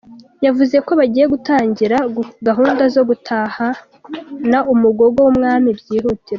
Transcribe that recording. Yavuze ko bagiye gutangira gahunda zo gutahana umugogo w’umwami byihutirwa.